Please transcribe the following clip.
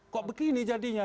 kok begini jadinya